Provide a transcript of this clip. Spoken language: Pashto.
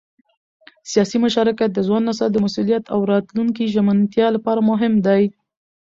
سیاسي مشارکت د ځوان نسل د مسؤلیت او راتلونکي ژمنتیا لپاره مهم دی